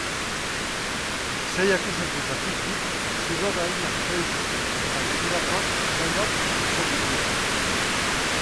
Sei akusatuetatik bik zigor arinak jaso dituzte, eta gainerakoak laurak absolbitu.